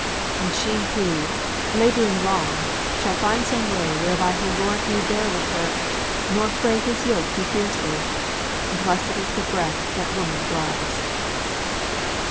And she who, laboring long, shall find some way Whereby her lord may bear with her, nor fray His yoke too fiercely, blessed is the breath That woman draws!